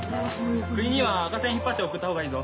クニには赤線引っ張って送った方がいいぞ。